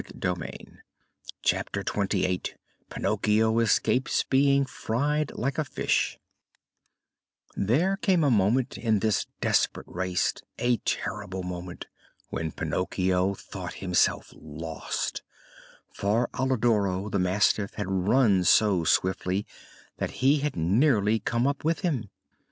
CHAPTER XXVIII PINOCCHIO ESCAPES BEING FRIED LIKE A FISH There came a moment in this desperate race a terrible moment when Pinocchio thought himself lost: for Alidoro, the mastiff, had run so swiftly that he had nearly come up with him.